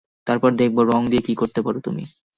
তারপর দেখবো রঙ দিয়ে কী করতে পারো তুমি।